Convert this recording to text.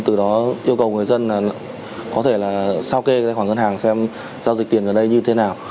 từ đó yêu cầu người dân là có thể là sao kê khoản ngân hàng xem giao dịch tiền ở đây như thế nào